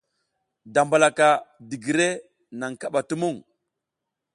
Damalaka digire naŋ kaɓa tumuŋ.